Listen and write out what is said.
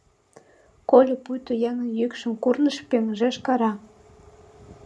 Кольо пуйто еҥын йӱкшым Курныж пеҥыжеш, кара.